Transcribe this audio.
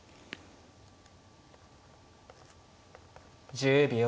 １０秒。